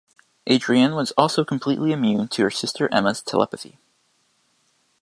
Adrienne was also completely immune to her sister Emma's telepathy.